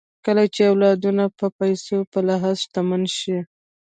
کله چې اولادونه د پيسو په لحاظ شتمن سي